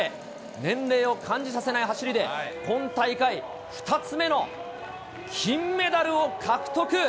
年齢を感じさせない走りで、今大会２つ目の金メダルを獲得。